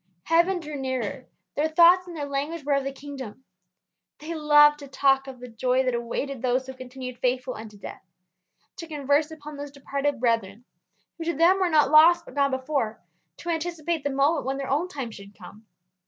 Heaven drew nearer; their thoughts and their language were of the kingdom. They loved to talk of the joy that awaited those who continued faithful unto death; to converse upon those departed brethren who to them were not lost but gone before; to anticipate the moment when their own time should come.